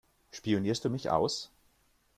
Spionierst du mich aus?